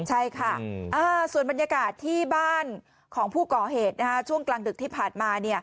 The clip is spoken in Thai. ใช่ค่ะส่วนบรรยากาศที่บ้านของผู้ก่อเหตุช่วงกลางดึกที่ผ่านมา